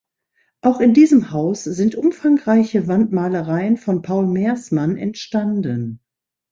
Auch in diesem Haus sind umfangreiche Wandmalereien von Paul Mersmann entstanden.